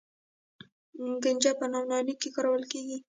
کنجد په نانوايۍ کې کارول کیږي.